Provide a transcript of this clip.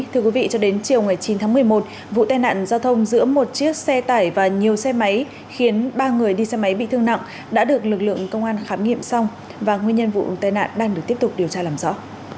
thưa quý vị cho đến chiều ngày chín tháng một mươi một vụ tai nạn giao thông giữa một chiếc xe tải và nhiều xe máy khiến ba người đi xe máy bị thương nặng đã được lực lượng công an khám nghiệm xong và nguyên nhân vụ tai nạn đang được tiếp tục điều tra làm rõ